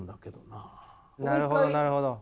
なるほどなるほど。